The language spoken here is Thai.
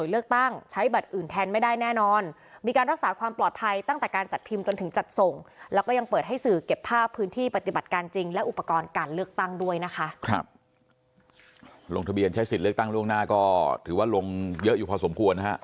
ลงทะเบียนใช้สิทธิ์เลือกตั้งล่วงหน้าก็ถือว่าลงเยอะอยู่พอสมควรนะฮะ